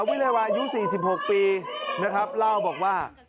วิลัยวาอายุ๔๖ปีนะครับเล่าบอกว่า